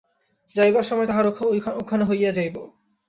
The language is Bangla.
যাইবার সময় তাঁহার ওখানে হইয়া যাইব।